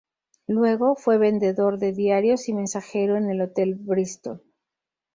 Luego fue vendedor de diarios y mensajero en el Hotel Bristol.